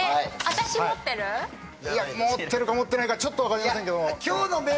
持ってるか持ってないかちょっと分かりませんけど。